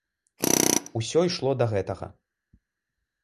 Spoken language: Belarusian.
Усё ішло да гэтага.